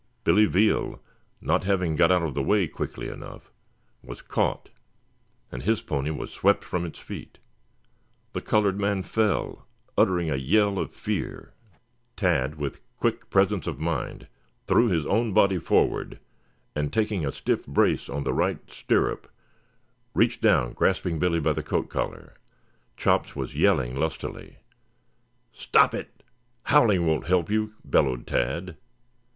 Billy Veal, not having got out of the way quickly enough, was caught, and his pony was swept from its feet. The colored man fell, uttering a yell of fear. Tad, with quick presence of mind, threw his own body forward and taking a stiff brace on the right stirrup reached down grasping Billy by the coat collar. Chops was yelling lustily. "Stop it! Howling won't help you!" bellowed Tad.